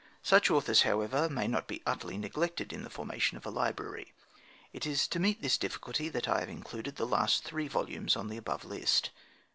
Such authors, however, may not be utterly neglected in the formation of a library. It is to meet this difficulty that I have included the last three volumes on the above list.